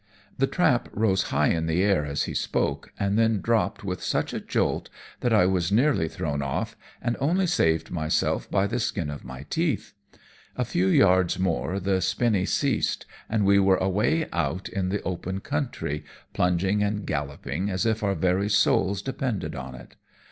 The trap rose high in the air as he spoke, and then dropped with such a jolt that I was nearly thrown off, and only saved myself by the skin of my teeth. A few yards more the spinney ceased, and we were away out in the open country, plunging and galloping as if our very souls depended on it.